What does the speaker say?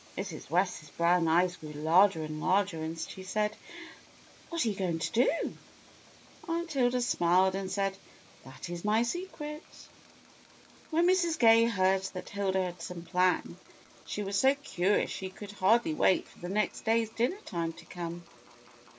Mrs. West's brown eyes grew larger and larger, and she said, "WTiat are you going to do.^" Aunt Hilda smiled and said, "That is my secret." When Mrs. Gay heard that Hilda had some plan, she was so curious she could hardly wait for the next day's dinner time to come.